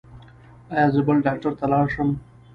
ایا زه بل ډاکټر ته لاړ شم؟